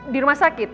di rumah sakit